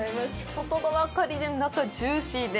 外側カリッで中ジューシーで。